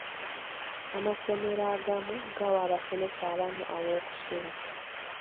Amasomero agamu gawa abasomesa abamu aw'okusula.